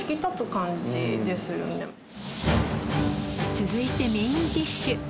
続いてメインディッシュ。